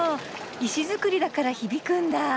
石造りだから響くんだ。